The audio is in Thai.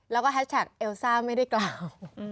แล้วก็แฮชแท็กเอลซ่าไม่ได้กล่าว